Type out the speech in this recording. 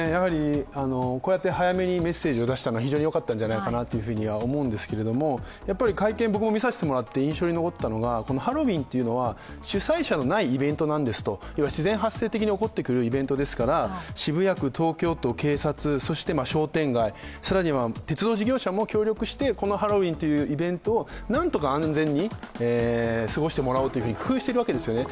こうやって早めにメッセージを出したのは非常によかったのではないかと思ったんですけど会見、僕も見せてもらって印象に残ったのはハロウィーンというのは主催者のないイベントなんですと、自然発生的に起こってくるイベントですから渋谷区、東京都、警察、そして商店街、更には鉄道事業者も協力して、このハロウィーンというイベントを何とか安全に過ごしてもらおうと工夫しているわけですよね。